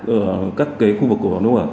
ở các khu vực của hà nội